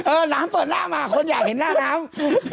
หลังเปิดหน้ามาคนอยากเห็นหน้าน้ำ